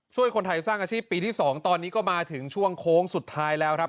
ช่วยคนไทยสร้างอาชีพปีที่๒ตอนนี้ก็มาถึงช่วงโค้งสุดท้ายแล้วครับ